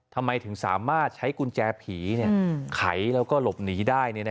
ทำไมถึงสามารถใช้กุญแจผีไขแล้วก็หลบหนีได้